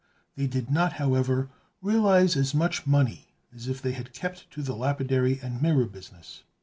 They did not, however, realize as much money as if they had kept to the lapidary and mirror business.